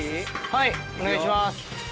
はいお願いします。